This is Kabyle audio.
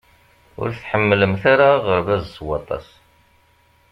Ur tḥemmlemt ara aɣerbaz s waṭas.